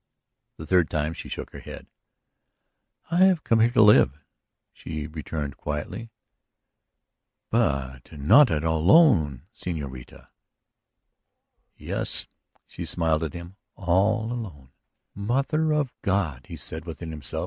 The third time she shook her head. "I have come to live here," she returned quietly. "But not all alone, señorita!" "Yes." She smiled at him again. "All alone." "Mother of God!" he said within himself.